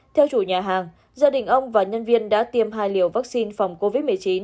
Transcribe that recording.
theo chủ nhà hàng gia đình ông và nhân viên đã tiêm hai liều vaccine